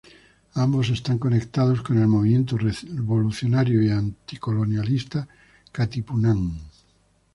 Ambos estaban conectados con el movimiento revolucionario y anticolonialista Katipunan.